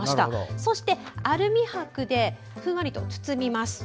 そしてアルミはくでふんわりと包みます。